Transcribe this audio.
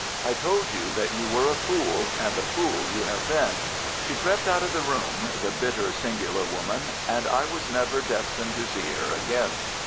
I told you that you were a fool—and a fool you have been." She crept out of the room, the bitter, singular woman, and I was never destined to see her again.